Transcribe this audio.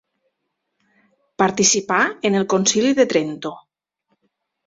Participà en el Concili de Trento.